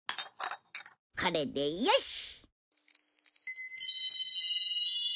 これでよし。